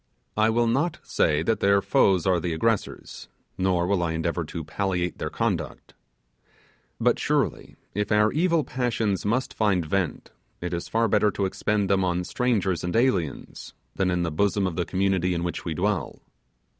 I will not say that their foes are the aggressors, nor will I endeavour to palliate their conduct. But surely, if our evil passions must find vent, it is far better to expend them on strangers and aliens, than in the bosom of the community in which we dwell.